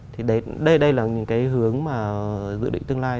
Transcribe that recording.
thì đây là những cái hướng mà dự định tương lai